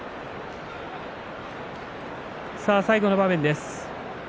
最後の場面です。